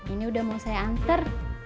ini udah mau saya antar